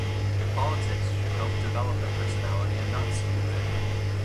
Politics should help develop a personality and not subdue it.